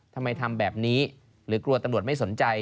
ทำไมทำแบบนี้หรือกลัวตำรวจไม่สนใจ